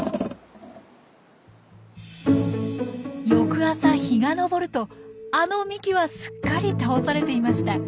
翌朝日が昇るとあの幹はすっかり倒されていました。